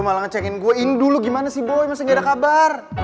lu malah nge check in gua ini dulu gimana sih boy masih gak ada kabar